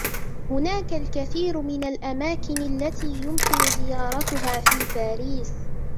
هناك الكثير من الأماكن التي يمكن زيارتها في باريس.